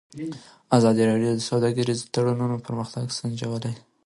ازادي راډیو د سوداګریز تړونونه پرمختګ سنجولی.